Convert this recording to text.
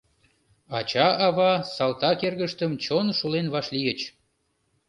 Ача-ава салтак эргыштым чон шулен вашлийыч.